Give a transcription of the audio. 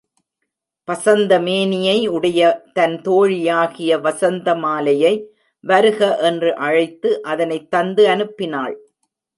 பசந்த மேனியை உடைய தன் தோழியாகிய வசந்த மாலையை வருக என்று அழைத்து அதனைத் தந்து அனுப்பினாள்.